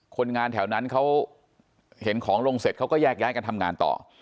คนงานแถวนั้นเขาเห็นของลงเสร็จเขาก็แยกย้ายกันทำงานต่อ